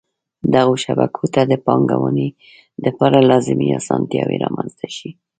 دغو شبکو ته د پانګوني دپاره لازمی اسانتیاوي رامنځته شي.